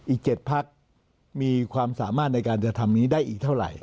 อีก๗พักมีความสามารถในการจะทำนี้ได้อีกเท่าไหร่